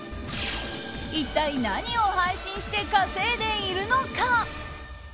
一体、何を配信して稼いでいるのか？